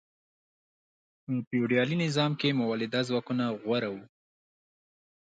په فیوډالي نظام کې مؤلده ځواکونه غوره وو.